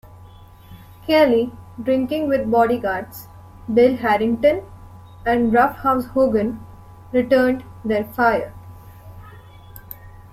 Kelly, drinking with bodyguards Bill Harrington and Rough House Hogan, returned their fire.